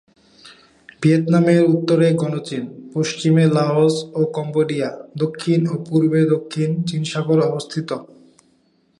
ভিয়েতনামের উত্তরে গণচীন, পশ্চিমে লাওস ও কম্বোডিয়া, দক্ষিণ ও পূর্বে দক্ষিণ চীন সাগর অবস্থিত।